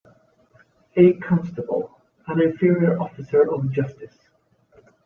A constable an inferior officer of justice